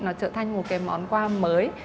nó trở thành một cái món quà mới